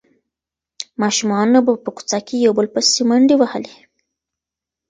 ماشومانو به په کوڅه کې یو بل پسې منډې وهلې.